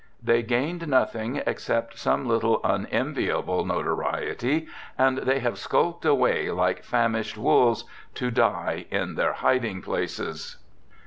They gained nothing except some little unenviable notoriety, and they have skulked away like famished wolves, to die in their hiding places.'